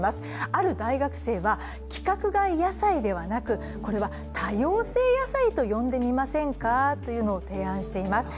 ある大学生は、規格外野菜ではなくこれは多様性野菜と呼んでみませんかというのを提案しています。